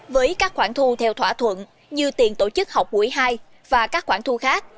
với các khoản thu theo thỏa thuận như tiền tổ chức học quỹ hai và các khoản thu khác